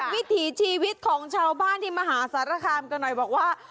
วิถีชีวิตของชาวบ้านที่มหาสารคามกันหน่อยบอกว่า